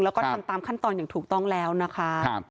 แล้วก็ทำตามขั้นตอนอย่างถูกต้องแล้วนะคะ